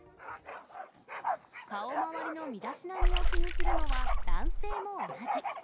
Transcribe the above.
顔周りの身だしなみを気にするのは、男性も同じ。